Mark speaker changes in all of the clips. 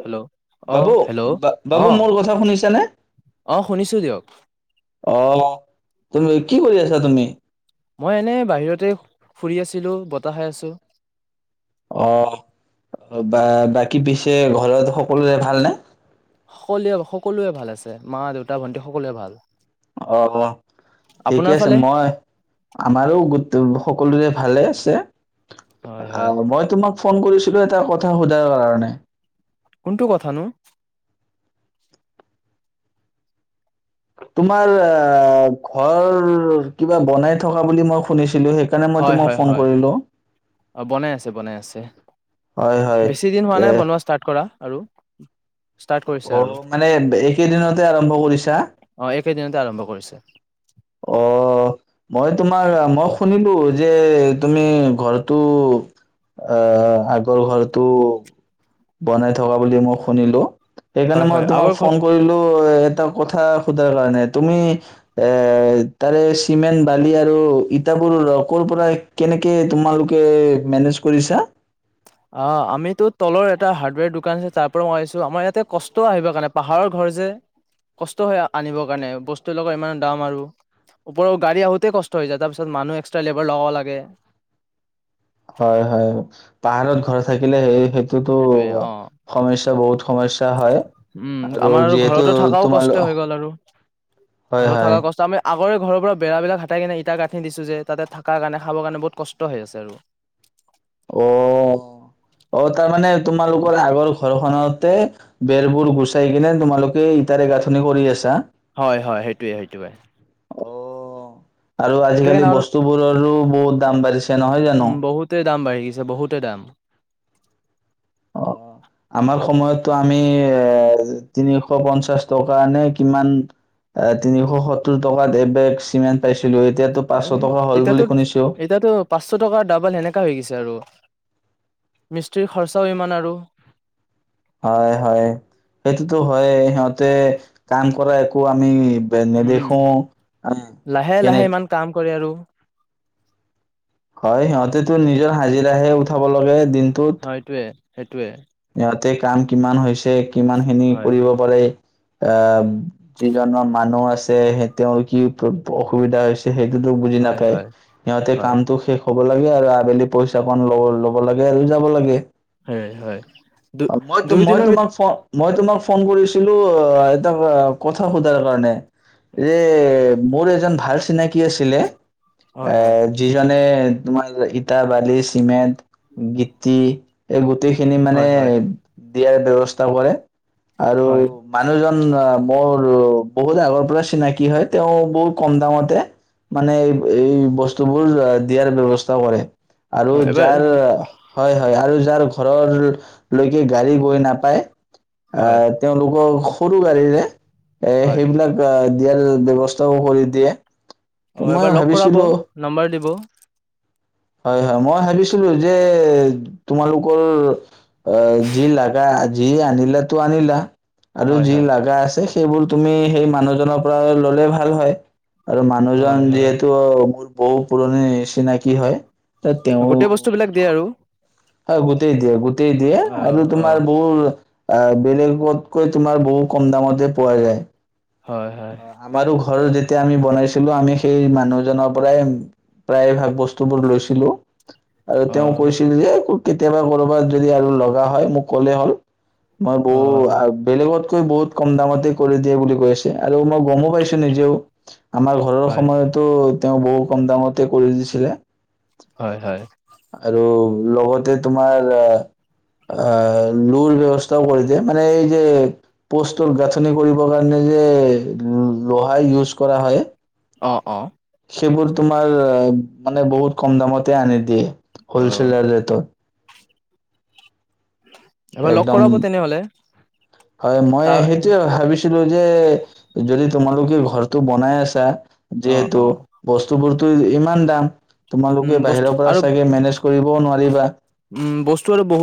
Speaker 1: Hello
Speaker 2: বাবু
Speaker 1: অ' hello
Speaker 2: বা বাবু
Speaker 1: অ'
Speaker 2: মোৰ কথা শুনিছানে
Speaker 1: অ' শুনিছো দিয়ক।
Speaker 2: আহ তুমি কি কৰি আছা তুমি?
Speaker 1: মই এনে বাহিৰতে ফুৰি আছিলো বতাহ খাই আছো।
Speaker 2: অহ বা বাকী পিছে ঘৰত সকলোৰে ভালনে?
Speaker 1: সকলোৱে সকলোৱে ভাল আছে মা দেউতা ভন্টি সকলোৱে ভাল।
Speaker 2: অহ ঠিকে
Speaker 1: আপোনাৰ
Speaker 2: আছে
Speaker 1: ফালে
Speaker 2: মই আমাৰো গোট সকলোৰে ভালে আছে।
Speaker 1: হয় হয়
Speaker 2: আহ মই তোমাক ফোন কৰিছিলো এটা কথা সোধাৰ কাৰণে।
Speaker 1: কোনটো কথা নো?
Speaker 2: তোমাৰ আ ঘৰ কিবা বনাই থকা বুলি মই শুনিছো চিলো সেইকাৰণে মই
Speaker 1: হয়
Speaker 2: তোমাক
Speaker 1: হয়
Speaker 2: ফ'ন
Speaker 1: হয়
Speaker 2: কৰিলোঁ।
Speaker 1: অ বনাই আছে [inaudible] বেছি দিন হোৱা নাই বনোৱা ষ্টাৰ্ট কৰা। আৰু ষ্টাৰ্ট কৰিছে
Speaker 2: অঁহ
Speaker 1: আৰু
Speaker 2: মানে এইকেইদিনতে আৰম্ভ কৰিছা।
Speaker 1: সেইদিনতে আৰম্ভ কৰিছে।
Speaker 2: অঁহ মই তোমাৰ মই শুনিলো যে তুমি ঘৰটো আহ আগৰ ঘৰটো বনাই থকা বুলি মই শুনিলো।
Speaker 1: হয়
Speaker 2: সেইকাৰণে
Speaker 1: হয়
Speaker 2: মই
Speaker 1: আগৰ
Speaker 2: তোমাক
Speaker 1: ঘৰ
Speaker 2: ফোন কৰিলো এ এটা কথা সোধাৰ কাৰণে তুমি এ তাৰে চিমেণ্ট বালি আৰু ইটাবোৰ ক' পৰা কেনেকে তোমালোকে মেনেজ কৰিছ
Speaker 1: অঁ আমিতো তলৰ এটা হাৰ্ডৱেৰ দোকান আছে তাৰ পৰা মই আহিছোঁ আমাৰ ইয়াতে কষ্ট আহিবৰ কাৰণে পাহাৰৰ ঘৰ যে কষ্ট হৈ আনিবৰ কাৰণে বস্তু লগৰ ইমান দাম আৰু ওপৰও গাড়ী আহোঁতে কষ্ট হৈ যায় তাৰপিছত মানুহ এক্সট্ৰা লেবাৰ লগাব লাগে
Speaker 2: হয় হয় পাহাৰত ঘৰ থাকিলে সেই
Speaker 1: সেইটোয়ে অ
Speaker 2: সমস্যাৰ বহুত সমস্যা হয়
Speaker 1: উম
Speaker 2: আৰু
Speaker 1: আমাৰ
Speaker 2: যিহেতু
Speaker 1: ঘৰতো থাকাও কষ্ট
Speaker 2: তোমালোক
Speaker 1: হৈ গ'ল আৰু
Speaker 2: হয়
Speaker 1: ঘৰত থকা
Speaker 2: হয়
Speaker 1: কষ্ট আমি আগৰে ঘৰৰ পৰা বেৰা বিলাক হাতাই কিনে ইটা গাঁঠি দিছো যে তাতে থকাৰ কাৰণে খাবৰ কাৰণে বহুত কষ্ট হৈ আছে আৰু
Speaker 2: অঁ অঁ তাৰ মানে তোমালোকৰ আগৰ ঘৰ খনতে বেৰবোৰ গুচাই কিনে তোমালোকে ইটাৰে গাঁথনি কৰি আছা
Speaker 1: হয় হয় সেইটোৱে সেইটোৱে
Speaker 2: অঁ আৰু আজিকালি
Speaker 1: আৰু
Speaker 2: বস্তুবোৰৰো বহুত দাম বাঢ়িছে নহয় জানো
Speaker 1: উম বহুতে দাম বাঢ়ি গৈছে বহুতে দাম
Speaker 2: অঁ আমাৰ সময়তটো আমি এ তিনিশ পঞ্চাশ টকা নে কিমান তিনিশ সত্তৰ টকাত এবেগ চিমেণ্ট পাইছো
Speaker 1: এ এতিয়াতো এতিাতো পাঁচশ টকাৰ ডাবল সেনেকা হৈ গৈছে মিস্ত্ৰীৰ খৰচাও ইমান আৰু
Speaker 2: হয়, সেইটোতো হয় সিহঁতে কাম কৰা একো আমি
Speaker 1: উম
Speaker 2: নেদেখো।
Speaker 1: লাহে
Speaker 2: কেনে
Speaker 1: লাহে ইমান কাম কৰে আৰু
Speaker 2: হয় সিহঁতেতো নিজৰ হাজিৰা হে উঠাব লগাগে
Speaker 1: হয়টোৱে সেইটোৱে
Speaker 2: তাতে কাম কিমান হৈছে কিমান খিনি
Speaker 1: হয়
Speaker 2: কৰিব পাৰে আহ যিজনৰ মানুহ আছে স তেওঁৰ কি অসুবিধা হৈছে সেইটোতো বুজি
Speaker 1: হয়
Speaker 2: নাপায়
Speaker 1: হয়
Speaker 2: সিহতে
Speaker 1: হয়
Speaker 2: কামটো শেষ হ'ব লাগে আৰু আবেলি পইচা ক লব ল'ব লাগে আৰু যাব লাগে
Speaker 1: হয় হয় দু
Speaker 2: মই
Speaker 1: দুই
Speaker 2: মই
Speaker 1: দিনৰ ভিতৰত
Speaker 2: তোমাক ফ মই তোমাক ফোন কৰিছিলো এটা কথা সোধাৰ কাৰণে এই মোৰ এজন ভাল চিনাকী আছিলে
Speaker 1: হয় হয়
Speaker 2: এ যিজানে তোমাৰ ইটা বালি চিমেণ্ট গীতি এই গোটি খিনি মানে
Speaker 1: হয় হয়
Speaker 2: দিয়াৰ ব্যৱস্থা কৰে আৰু
Speaker 1: হয়
Speaker 2: মানুহজন মোৰ বহুত আগৰ পৰা চিনাকি হয় তেওঁ বহুত কম দামতে মানে এই বস্তুবোৰ দিয়াৰ ব্য্য়ৱস্থা কৰে আৰু
Speaker 1: হয় এবাৰ
Speaker 2: যাৰ হয় হয় হয় আৰু যাৰ ঘৰৰ লৈকে গাড়ী গৈ নাপায়
Speaker 1: হয়
Speaker 2: আহ তেওঁলোক সৰু গাড়ীৰে এ
Speaker 1: হয়
Speaker 2: সেইবিলাক দিয়াৰ ব্যৱস্থাও কৰি দিয়ে
Speaker 1: অ
Speaker 2: মই
Speaker 1: এবাৰ লগ কৰাব
Speaker 2: ভাবিছিলো
Speaker 1: নাম্বাৰ দিব
Speaker 2: হয় হয় মই ভাবিছিলো যে তোমালোকৰ যি লাগা যি আনিলাো ত়ু আনিলা আৰু
Speaker 1: হয়
Speaker 2: যি
Speaker 1: হয়
Speaker 2: লগা আছে সেইবোৰ তুমি সেই মানুহজনৰ পৰা ললে ভাল হয় আৰু
Speaker 1: হয়
Speaker 2: মানুহজন
Speaker 1: হয়
Speaker 2: যিহেতু মোৰ বহু পুৰণি চিনাকিী হয় ত তেওঁ
Speaker 1: গোটেই বস্তু বিলাক দিয়ে আৰু
Speaker 2: হয় গতেই দিয়ে গতেই গতেই দিয়ে
Speaker 1: অ
Speaker 2: আৰু
Speaker 1: অ
Speaker 2: তোমাৰ বহু আহ বেলেগতকৈ তোমাৰ বহু কম দামতে পোৱা যায়
Speaker 1: হয় হয়
Speaker 2: অ আমাৰো ঘৰৰ যেয়া তেতিয়া আমি বনাইছিলো আমি সেই মানুহজনৰ পৰাই প্ৰায় ভাগ বস্তু বোৰ লৈছিলো আৰু
Speaker 1: অ
Speaker 2: তেওঁ কৈছিল যে কেতিয়াবা কৰ'বাত যদি আৰু লগা হয় মোক ক'লে হ'ল মই বৌ
Speaker 1: অ
Speaker 2: বেলেগত কৈ বহুত কম দামতে কৰি দিয়ে বুলি কৈ আছে আৰু মই গমো পাইছো নিজেও আমাৰ ঘৰৰ
Speaker 1: হয়
Speaker 2: সময়তো তেওঁ বহু কম দামতে কৰি দিছিলে
Speaker 1: হয় হয়
Speaker 2: আৰু লগতে তোমাৰ আহ আহ লোৰ ব্য্ৱস্থাও কৰি দিয়ে মানে এই যে পোষ্টৰ গাঁঠনি কৰিবৰ কাৰণে যে লোহাই ইউজ কৰা হয়
Speaker 1: অঁ অঁ
Speaker 2: সেইবোৰ তোমাৰ মানে বহুত কম দামতে আনি [unintelligible]
Speaker 1: অ
Speaker 2: হ'লছেলাৰ ৰেতত
Speaker 1: এবাৰ লগ
Speaker 2: একদম,
Speaker 1: কৰাব তেনেহলে
Speaker 2: হয় মই
Speaker 1: তাৰ
Speaker 2: সেইটোয়ে ভাবিছো ছিলো যে যদি তোমালোকে ঘৰটো বনাই আছা
Speaker 1: অ
Speaker 2: যিহেতু,
Speaker 1: অ
Speaker 2: বস্তুবোৰ টো ইমান দাম
Speaker 1: উম
Speaker 2: তোমালোকে
Speaker 1: বস্তু
Speaker 2: বাহিৰৰ পৰা
Speaker 1: আৰু
Speaker 2: চাগে মেনেজ কৰিবও নোৱাৰিবা।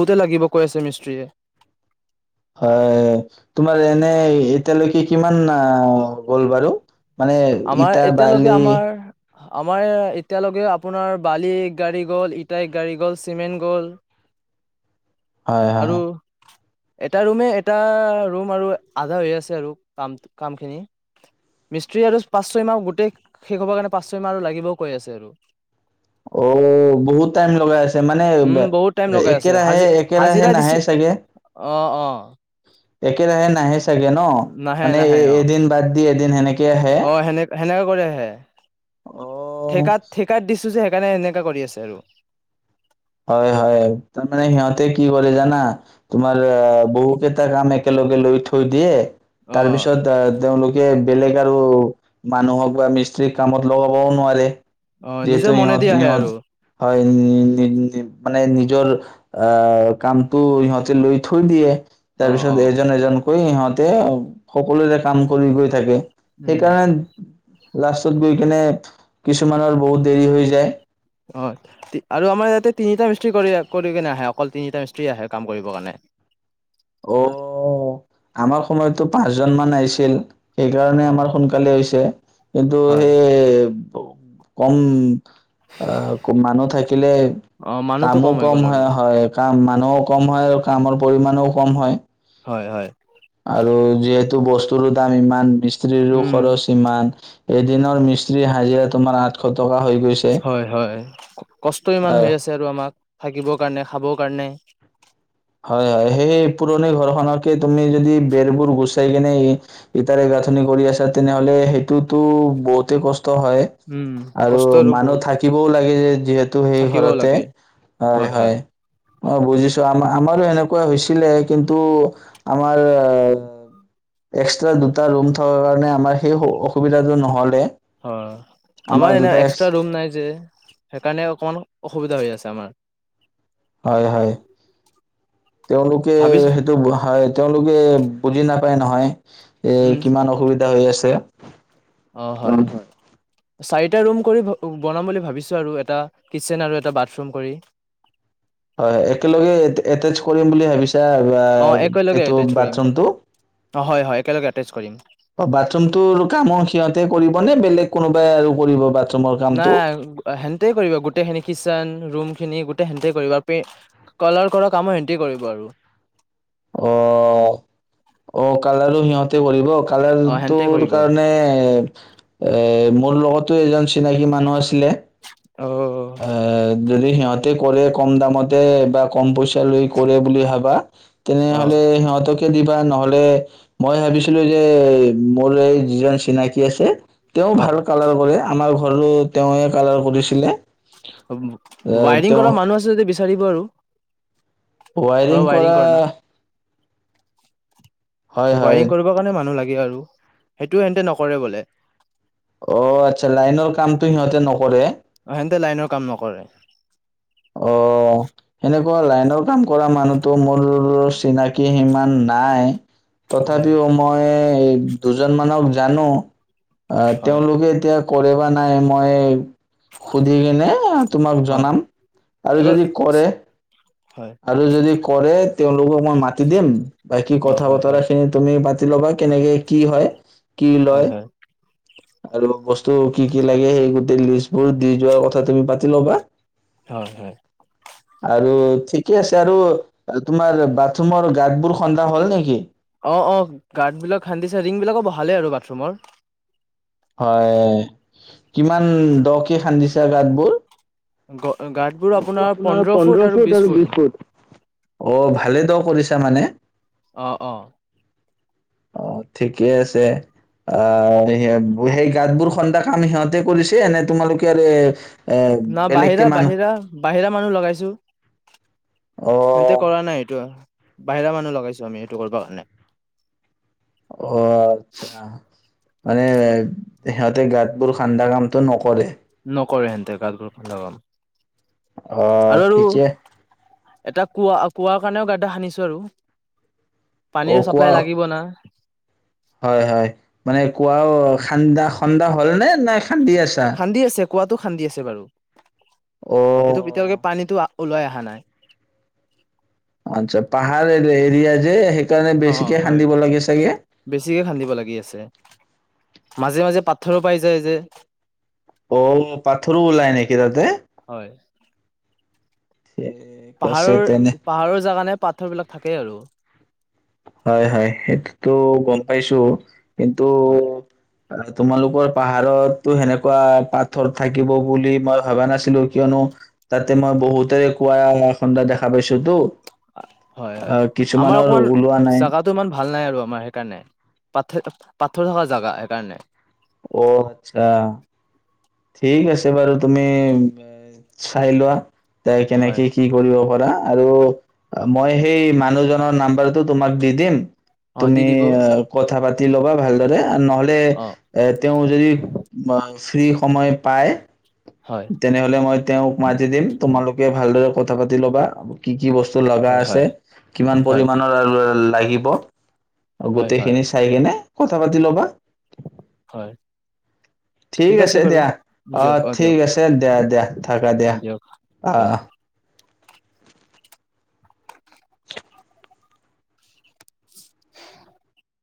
Speaker 1: তে লাগিব কৈ আছে মিস্ত্ৰীয়ে।
Speaker 2: হয় তোমাৰ এনে এতিয়ালৈকে কিমান আ গ'ল বাৰু? মানে
Speaker 1: আমাৰ
Speaker 2: ইটা,
Speaker 1: এতিয়ালৈকে
Speaker 2: বালি।
Speaker 1: আমাৰ আমাৰ এতিয়ালৈকে আপোনাৰ বালি এক গাড়ী গ'ল, ইটা এক গাড়ী গ'ল, চিমেণ্ট গ'ল।
Speaker 2: হয়,
Speaker 1: আৰু
Speaker 2: হয়।
Speaker 1: এটা ৰুমে, এটা ৰুম আৰু আধা হৈ আছে আৰু কাম কামখিনি। মিস্ত্ৰী আৰু পাঁচ ছয় মাহ গোটেই শেষ হ'বৰ কাৰণে পাঁচ ছয় আৰু লাগিব কৈ আছে।
Speaker 2: অঁ বহুত টাইম লগাই আছে মানে
Speaker 1: উম বহুত টাইম লগাই আছে হাজি
Speaker 2: একেৰাহে- একেৰাহে
Speaker 1: হাজিৰা
Speaker 2: নাহে
Speaker 1: দিছো
Speaker 2: চাগে,
Speaker 1: অ অ
Speaker 2: একেৰাহে নাহে চাগে। ন
Speaker 1: নাহে
Speaker 2: মানে
Speaker 1: নাহে
Speaker 2: এই
Speaker 1: অ
Speaker 2: এদিন বাদ [unintelligible] এদিন সেনেকে আহে
Speaker 1: অ সেনেকে সেনেকে কৰি আহে।
Speaker 2: অ'
Speaker 1: ঠেকাত- ঠেকাত দিছো যে সেইকাৰণে এনেকা কৰি আছে আৰু।
Speaker 2: হয় হয়, তাৰমানে সিহঁতে কি কৰে জানা, তোমাৰ বহু কেইটা কাম একেলগে লৈ থৈ দিয়ে।
Speaker 1: অ
Speaker 2: তাৰ পিছত আ তেওঁলোক [unintelligible] বেলেগ আৰু মানুহক বা মিস্ত্ৰ্ৰীক কামত লগাবও নোৱাৰে।
Speaker 1: অ নিজৰ
Speaker 2: যিহেতু
Speaker 1: মনেদি
Speaker 2: ইহঁত-
Speaker 1: আহে আৰু
Speaker 2: ইহত, হয় মানে নিজৰ আ কামটো সিহঁতে লৈ থৈ দিয়ে।
Speaker 1: অ অ
Speaker 2: তাৰপিছত এজন-এজন কৰি ইহঁতে সকলোৰে কাম কৰি গৈ থাকে।
Speaker 1: উম
Speaker 2: সেইকাৰণ লাষ্টত গৈ কেনে কিছুমানৰ বহুত দেৰি হৈ যায়।
Speaker 1: অঁ আৰু আমাৰ ইয়াতে তিনিটা মিস্ত্ৰী কৰি কৰি কেনে আহে, অকল তিনিটা মিস্ত্ৰী আহে কাম কৰিবৰ কাৰণে।
Speaker 2: অঁ, আমাৰ সময়তো পাঁচজন মান আহিছিল।
Speaker 1: অ
Speaker 2: সেইকাৰণে
Speaker 1: অ
Speaker 2: আমাৰ সোনকালে হৈছে, কিন্তু
Speaker 1: হয়
Speaker 2: সেই কম অঁ, মানুহ থাকিলে
Speaker 1: অ মানুহটো
Speaker 2: কামো
Speaker 1: হৈ
Speaker 2: কম
Speaker 1: গ'ল আৰু
Speaker 2: হয়-হয় কাম নও কম হয় আৰু কামৰ পৰিমাণো কম হয়।
Speaker 1: হয়', হয়।
Speaker 2: আৰু যিহেতু বস্তুৰো দাম ইমান স্ত্ৰীৰো
Speaker 1: উম,
Speaker 2: খৰচ ইমান। এদিনৰ মিস্ত্ৰীৰ হাজিৰা তোমাৰ আঠশ টকা হৈ গৈছে।
Speaker 1: হয় হয় কষ্ট ইমান হৈ আছে আৰু আমাক থাকিব কাৰণে খাব গনে [unintelligible]
Speaker 2: হয় হয় সেই পুৰণি ঘৰ খকে তুমি যদি বেৰবোৰ গুচাই কিনে ইটাৰে গাঁথনি কৰি আছা তেনেহলে সেইটোতো বহুতে কষ্ট কস্তু হয়
Speaker 1: উম,
Speaker 2: আৰু
Speaker 1: কষ্ট
Speaker 2: মানহ
Speaker 1: বহুত
Speaker 2: থাকিবও [unintelligible] যিহেতু সেই
Speaker 1: থাকিবও
Speaker 2: ঘৰতে
Speaker 1: লাগে
Speaker 2: হয় হয়। অ বুজিছো আমাৰ আমাৰো এনেকুৱা হৈছিলে কিন্তু আমাৰ এক্সট্ৰা দুটা ৰুম থকা কাৰণে আমাৰ সেই অসুবিধাটো নহলে।
Speaker 1: হয় আমাৰ এনে
Speaker 2: দুটা এক্স
Speaker 1: এক্সট্ৰা ৰুম নাই যে সেইকাৰণে অকমান অসুবিধা হৈ আছে। [unintelligible]
Speaker 2: হয় হয় তেওঁলোকে
Speaker 1: ভাবিছ
Speaker 2: সেইটো তেওঁলোকে বুজি নাপায় নহয়। এ
Speaker 1: উম,
Speaker 2: কিমান অসুবিধা এতিয়া হৈ আছে।
Speaker 1: অ হয় চাই এটা ৰুম কৰি বনাম বুলি ভাবিছো আৰু এটা কিটচেন আৰু এটা বাথৰুম কৰি।
Speaker 2: হয় একেলগে এটচ কৰিম বুলি ভাবিছো এতিয়া
Speaker 1: অ', একেলগে
Speaker 2: এইটো
Speaker 1: এটেচ কৰিম
Speaker 2: বাথৰুমটো
Speaker 1: অ', হয়, হয়, একেলগে এটেচ কৰিম।
Speaker 2: অ বাথৰুমটো কামৰ সিহঁতে কৰিবনে বেলেগ কোনোবাই আৰু কৰিব বা
Speaker 1: নাই সেনেতে কৰিবা গোটেইখিনখিচন ৰুম খিনি গোটেই সেনতে কৰিব আৰু পেইণ্ট কালাৰ কৰা কামো সেনতে কৰিব আৰু।
Speaker 2: অ অ কালৰ ও সিহঁতে কৰিব। কালাৰ
Speaker 1: অ', সেনতে
Speaker 2: তুৰ
Speaker 1: কৰিব।
Speaker 2: কাৰণে এ মোৰ লগতো এজন চিনাকী মানুহ আছিলে।
Speaker 1: অ',
Speaker 2: অ যদি সিহঁতে কৰে কম দামতে বা কম পইচা লৈ কৰে বুলি ভাবা
Speaker 1: অ',
Speaker 2: তেনেহলে সিহঁতক দিবা নহলে মই ভাবিছিলো যে মোৰ এই যিজন চিনাকি আছে তেওঁ
Speaker 1: হয়।
Speaker 2: ভাল কালাৰ কৰে আমাৰ ঘ ঘৰো তেওঁৱে কালাৰ কৰিছিলে।
Speaker 1: অম',
Speaker 2: আহ,
Speaker 1: ৱাইৰিং
Speaker 2: তেওঁ
Speaker 1: কৰা মানুহ আছে যদি বিচ বিচাৰিব আৰু। ঘৰৰ
Speaker 2: ৱাইৰিং কৰা?
Speaker 1: ৱায়াৰিং
Speaker 2: হয় হয়
Speaker 1: ৱাৰিং কৰিবৰ কাৰণে মানুহ লাগে আৰু। সেইটোও সেনেতে নকৰে বোলে।
Speaker 2: অহ', আচ্ছা, লাইনৰ কামতো সিহঁতে নকৰে।
Speaker 1: অহ', সেহতে লাইনৰ কাম নকৰে।
Speaker 2: অহ', সেনেকুৱা লাইনৰ কাম কৰা মানুহতো মোৰ চিনাকি সিমান নাই।
Speaker 1: হয়
Speaker 2: তথাপিও মই দুজন মানক জানো। আহ',
Speaker 1: হয়
Speaker 2: তেওঁলোকে এতিয়া কৰে বা নাই মই সুধি কিনে তোমাক
Speaker 1: অ',
Speaker 2: জনাম। আৰু
Speaker 1: এবাৰ
Speaker 2: যদি কৰে?
Speaker 1: হয়
Speaker 2: আৰু যদি কৰে? তেওঁলোকক মই মাতি দিম। বাকী
Speaker 1: অ',
Speaker 2: কথা
Speaker 1: হয়
Speaker 2: বতৰা
Speaker 1: হয়
Speaker 2: খিনি তুমি পাতি ল'বা কেনেকে কি হয়। কি
Speaker 1: হয় হয়
Speaker 2: লয়? আৰু বস্তু কি- কি লাগে, সেই গোটেই লিষ্টবোৰ দি যোৱাৰ কথা তুমি পাতি ল'বা।
Speaker 1: হয় হয়
Speaker 2: আৰু? ঠিকে আছে আৰু তোমাৰ বাথৰুমৰ গাতবোৰ খন্দা হ'ল নেকি?
Speaker 1: অহ', - অহ', গাতবিলাক খান্দিছে। ৰিং বিলাকো বহালেই আৰু বাথৰুমৰ।
Speaker 2: হয়। কিমান দক খান্দিছে গাতবোৰ?
Speaker 1: গ [unintelligible]
Speaker 2: হেইটো অপোনাৰ পন্ধৰ ফুট আৰু বিশ ফুট। অহ', ভালে ত কৰি ত মানে?
Speaker 1: অহ', - অহ',
Speaker 2: অহ', ঠিকে আছে। আহ', স সেই গাতবোৰ খন্দা কাম সিহঁতে কৰিছে। নে তোমালোকেৰ এ এ
Speaker 1: ন',
Speaker 2: বেলেগকে মানুহ
Speaker 1: বাহিৰা-বাহিৰা-বাহিৰা মানুহ লগাইছো।
Speaker 2: অ
Speaker 1: সেহেনতে কৰা নাই এইটো। বাহিৰা মানুহ লগাইছো আমি সেইটো কৰিব কাৰণে।
Speaker 2: অহ', আচ্ছা। মানে সিহঁতে গাতবোৰ খান্দা কামতটো নকৰে।
Speaker 1: নকৰে হেনতে গাতবোৰ খন্দা কাম
Speaker 2: অ
Speaker 1: আৰু - আৰু
Speaker 2: ঠিকে
Speaker 1: এটা কোৱা-কোৱা কাৰণেও গা্ডা সানিছো আৰু।
Speaker 2: অ,
Speaker 1: পানীৰ
Speaker 2: কোৱা
Speaker 1: চাপ্লাই লাগিব না
Speaker 2: হয়, হয় মানে কোৱা ঠান্দা খ্ন্দা হ'ল নে নাই। কান্দি আছা।
Speaker 1: কুৱাটো খান্দি আছে বাৰু
Speaker 2: অ
Speaker 1: সেইটো এতিয়ালৈকে পানীতো ওলাই অহা নাই
Speaker 2: আচ্ছা পাহাৰ এৰিয়া যে সেই
Speaker 1: অ হয় বেছিকে খান্দিব লাগি আছে মাজে মাজে পাথৰো পাই যায় যে
Speaker 2: অ পাথৰো ওলাই নেকি তাতে
Speaker 1: হয়
Speaker 2: ঠিক আছে
Speaker 1: পাহাৰৰ
Speaker 2: তেনে
Speaker 1: পাহাৰৰ জাগা নে পাথৰ বিলাক থাকেই আৰু
Speaker 2: হয় হয় সেইটোতো গম পাইছো কিন্তু
Speaker 1: হয়
Speaker 2: তোমালোকৰ পাহাৰতো সেনেকুৱা পাথৰ থাকিব বুলি মই ভবা নাছিলো কিয়নো তাতে মই বহুতেৰে কুৱা খণ্ডা দেখা পাইছোতো
Speaker 1: হয়
Speaker 2: আ
Speaker 1: হয় আমাৰ
Speaker 2: কিছুমানৰ
Speaker 1: অকমান
Speaker 2: ওলোৱা নাই।
Speaker 1: জেগাটো ইমান ভাল ভাল নাই আৰু আমাৰ সেইকাৰণে পাথ পাথৰ থকা জেগা সেইকাৰণে
Speaker 2: অ আচ্ছা ঠিক আছে বাৰু তুমি চাই লোৱা তাই
Speaker 1: হয়
Speaker 2: কেনেকে কি কৰিব কৰা আৰু মই সেই মানুহজনৰ নাম্বাৰটো তোমাক দি দিম
Speaker 1: অ দি
Speaker 2: তুমি
Speaker 1: দিব
Speaker 2: কথা পাতি পাতি ল'বা ভালদৰে নহলে
Speaker 1: অ
Speaker 2: এ তেওঁ যদি অ ফ্ৰী সময় পায়
Speaker 1: হয়
Speaker 2: তেনেহলে মই তেওঁক মাতি দিম তোমালোকে ভালদৰে কথা পাতি ল'বা কি কি বস্তু লগা
Speaker 1: হয়
Speaker 2: আছে
Speaker 1: হয়
Speaker 2: কিমান
Speaker 1: হয়
Speaker 2: পৰিমাণৰ আৰু লাগিব
Speaker 1: হয় হয়
Speaker 2: গোটেইখিনি চাই কিনে কথা পাতি ল'বা
Speaker 1: হয়
Speaker 2: ঠিক আছে দিয়া অ
Speaker 1: দিয়ক
Speaker 2: ঠিক
Speaker 1: দিয়ক
Speaker 2: আছে দিয়া দিয়া থাকা
Speaker 1: অ
Speaker 2: দিয়া
Speaker 1: দিয়ক
Speaker 2: অ।
Speaker 1: দিয়ক উ।